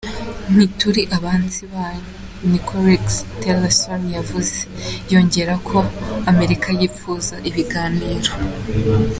"Ntituri abansi banyu," niko Rex Tillerson yavuze, yongerako Amerika yipfuza ibiganiro.